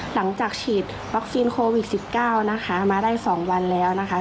หลังจากฉีดวัคซีนโควิด๑๙นะคะมาได้๒วันแล้วนะคะ